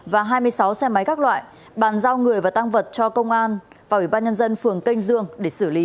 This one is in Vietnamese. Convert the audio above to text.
và hai mươi sáu xe máy các loại bàn giao người và tăng vật cho công an và ủy ban nhân dân phường canh dương để xử lý